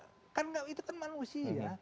itu kelompok kita juga warga negara juga